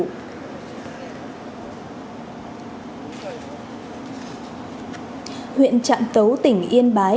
huyện trạm tấu tỉnh yên bái